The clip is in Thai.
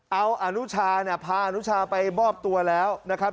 เอาอนุชาเนี่ยพาอนุชาไปมอบตัวแล้วนะครับ